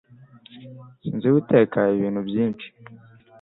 Sinzi guteka ibintu byinshi